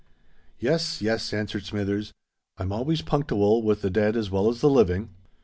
"Yes—yes," answered Smithers. "I'm always punctiwal with the dead as well as the living."